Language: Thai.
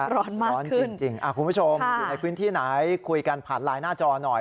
ร้อนมากร้อนจริงคุณผู้ชมอยู่ในพื้นที่ไหนคุยกันผ่านไลน์หน้าจอหน่อย